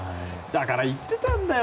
だから言ってたんだよ。